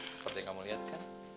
seperti yang kamu liatkan